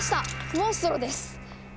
モンストロです！